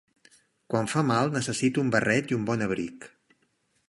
Quan fa mal necessito un barret i un bon abric.